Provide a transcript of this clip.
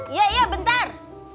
iya iya bentar